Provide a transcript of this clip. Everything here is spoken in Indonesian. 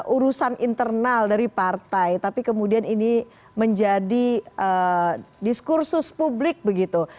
urusan internal dari partai tapi kemudian ini menjadi diskursus publik begitu